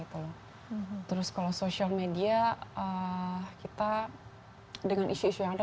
terus kalau social media kita dengan isu isu yang ada